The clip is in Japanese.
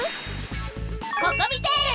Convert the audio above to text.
ココミテール！